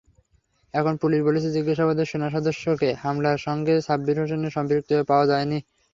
এখন পুলিশ বলছে, জিজ্ঞাসাবাদে সেনাসদস্যকে হামলার সঙ্গে সাব্বির হোসেনের সম্পৃক্ততা পাওয়া যায়নি।